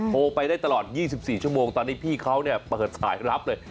โทรไปได้ตลอด๒๔ชั่วโมงตอนนี้พี่เขาเนี่ยเปิดสายรับเลย